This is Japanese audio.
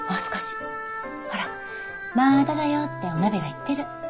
ほら「まあだだよ」ってお鍋が言ってる。